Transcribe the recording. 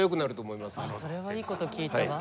それはいいこと聞いたわ。